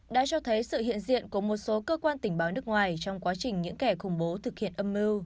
đã cho thấy sự hiện diện của một số cơ quan tình báo nước ngoài trong quá trình những kẻ khủng bố thực hiện âm mưu